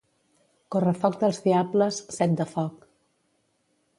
Correfoc dels diables "set de foc"